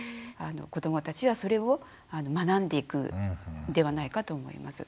子どもたちはそれを学んでいくんではないかと思います。